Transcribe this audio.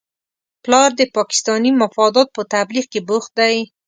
پلار دې د پاکستاني مفاداتو په تبلیغ کې بوخت دی؟